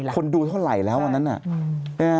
คนดูเท่าไหร่แล้ววันนั้นน่ะ